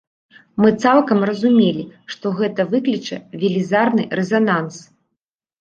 Мы цалкам разумелі, што гэта выкліча велізарны рэзананс.